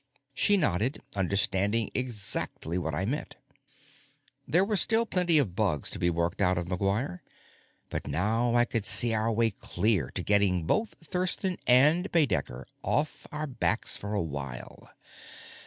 She nodded, understanding exactly what I meant. There were still plenty of bugs to be worked out of McGuire, but now I could see our way clear to getting both Thurston and Baedecker off our backs for a while.